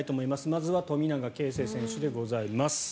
まずは富永啓生選手でございます。